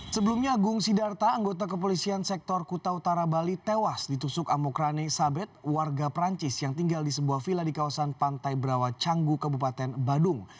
sebelumnya gung sidarta anggota kepolisian sektor kuta utara bali tewas ditusuk amokrane sabet warga perancis yang tinggal di sebuah villa di kawasan pantai brawa canggu kabupaten badung